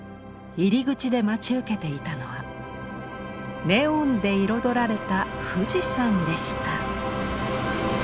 入り口で待ち受けていたのはネオンで彩られた富士山でした。